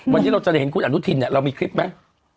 วันนี้เราจะเห็นคุณอนุธิณเนี่ยเรามีคลิปมั้ย